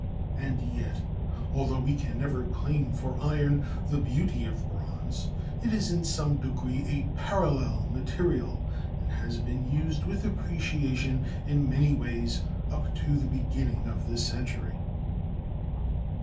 And yet, although we can never claim for iron the beauty of bronze, it is in some degree a parallel material, and has been used with appreciation in many ways up to the beginning of this century.